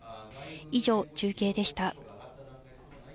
以上、中継でした。